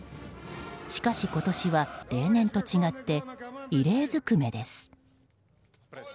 しかし今年は例年と違って異例ずくめです。